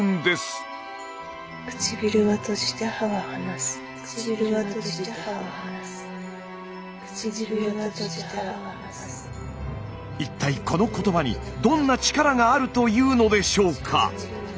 一体この言葉にどんな力があるというのでしょうか。